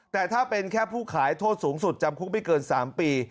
แต่ถ้าเป็นแค่ผู้ขายโทษสูงสุดจำคุกไม่เกิน๓ปี